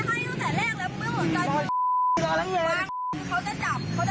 ไปต่อผมไม่พูด